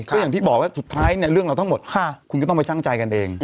ก็อย่างที่บอกว่าสุดท้ายเนี่ยเรื่องเราทั้งหมดคุณก็ต้องไปชั่งใจกันเอง